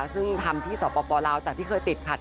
ซึ่งทำที่สปลาวจากที่เคยติดขัด